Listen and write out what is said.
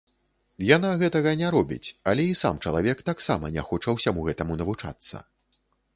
Яна гэтага не робіць, але і сам чалавек таксама не хоча ўсяму гэтаму навучацца.